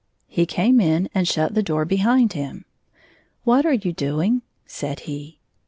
He came in and shut the door behind him. " What are you doing ?" said he.